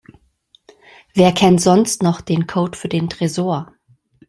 Wer kennt sonst noch den Code für den Tresor?